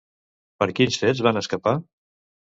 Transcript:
Per quins fets van escapar?